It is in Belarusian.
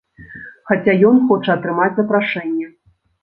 Хаця ён хоча атрымаць запрашэнне.